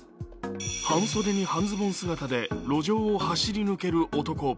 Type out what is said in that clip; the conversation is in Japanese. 半袖に半ズボン姿で路上を走り抜ける男。